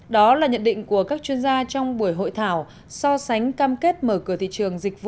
đó là nhận định của các chuyên gia trong buổi hội thảo so sánh cam kết mở cửa thị trường dịch vụ